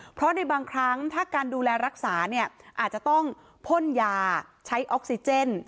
เพราะในบางครั้งถ้าการดูแลรักษาเนี่ยอาจจะต้องพ่นยาใช้ออกซิเจน